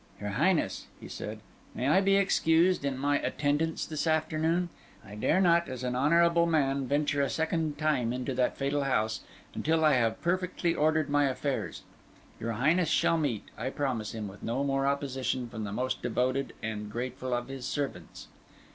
"Your Highness," he said, "may I be excused in my attendance this afternoon? I dare not, as an honourable man, venture a second time into that fatal house until I have perfectly ordered my affairs. Your Highness shall meet, I promise him, with no more opposition from the most devoted and grateful of his servants."